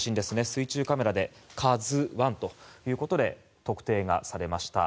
水中カメラで「ＫＡＺＵ１」ということで特定がされました。